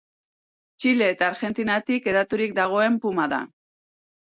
Txile eta Argentinatik hedaturik dagoen puma da.